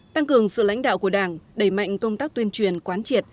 tăng cường sự lãnh đạo của đảng đẩy mạnh công tác tuyên truyền quán triệt